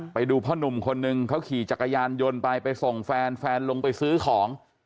ไปดูพ่อนุ่มคนนึงเขาขี่จักรยานยนต์ไปไปส่งแฟนแฟนลงไปซื้อของ